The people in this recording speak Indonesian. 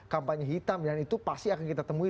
kampanye hitam dan itu pasti akan kita temui